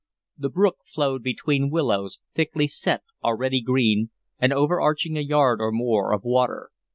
The brook flowed between willows, thickly set, already green, and overarching a yard or more of water.